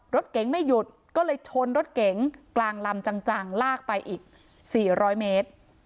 รถเก๋งไม่หยุดก็เลยชนรถเก๋งกลางลำจังลากไปอีก๔๐๐เมตร